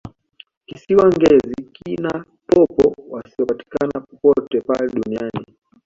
kisiwa ngezi kina popo wasiyopatikana popote pale duniani